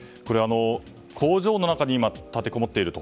工場の中に立てこもっていると。